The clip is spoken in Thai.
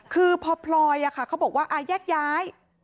คือพ่อพลอยเขาบอกว่าอ่าแยกประกัน